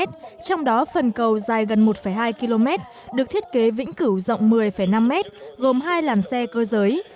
trong đó phần cầu dài gần một hai km được thiết kế vĩnh cửu rộng một mươi năm mét gồm hai làn xe cơ giới